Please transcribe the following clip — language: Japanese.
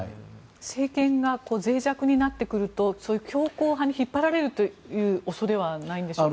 政権がぜい弱になってくるとそういう強硬派に引っ張られる恐れはないんでしょうか？